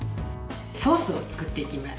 ソースを作っていきます。